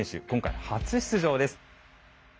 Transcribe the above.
今回初出場です。